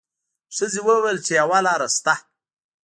ښځې وویل چې یوه لار شته.